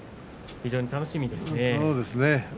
非常に楽しみですね。